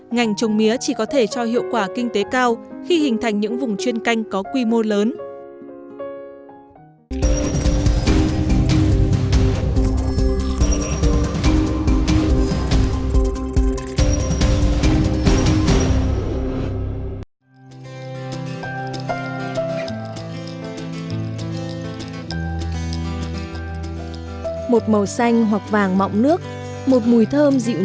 ngành trồng mía chỉ có thể cho hiệu quả kinh tế cao khi hình thành những vùng chuyên canh có quy mô lớn